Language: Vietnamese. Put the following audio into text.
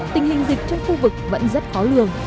tình hình dịch trong khu vực vẫn rất khó lường